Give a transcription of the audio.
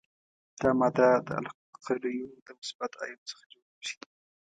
دا ماده د القلیو د مثبت آیون څخه جوړیږي.